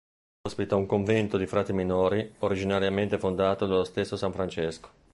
Ospita un convento di frati minori, originariamente fondato dallo stesso San Francesco.